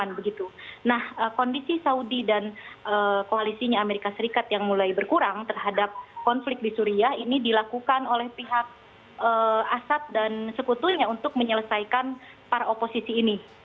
nah kondisi saudi dan koalisinya amerika serikat yang mulai berkurang terhadap konflik di suria ini dilakukan oleh pihak asat dan sekutunya untuk menyelesaikan para oposisi ini